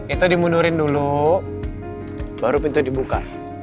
itu dimundurin dulu baru pintu dibuka